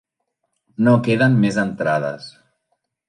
No queden més entrades.